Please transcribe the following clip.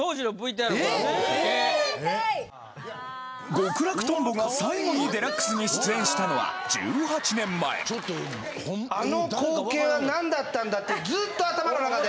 極楽とんぼが最後に『ＤＸ』に出演したのは１８年前あの光景は何だったんだってずっと頭の中で。